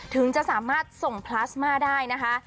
ถึงจะสามารถส่งพลาสมาได้นะคะ